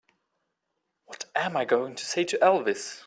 What am I going to say to Elvis?